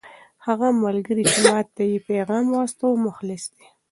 هغه ملګری چې ما ته یې پیغام واستاوه مخلص دی.